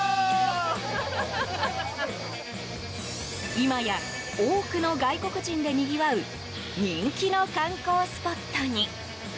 今や、多くの外国人でにぎわう人気の観光スポットに。